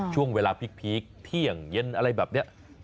ช่วงเวลาพีคเที่ยงเย็นอะไรแบบนี้